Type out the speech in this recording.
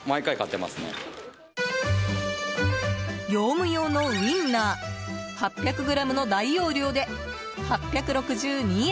業務用のウインナー８００ｇの大容量で８６２円。